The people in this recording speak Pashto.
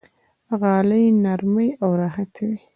غالۍ نرمې او راحته وي.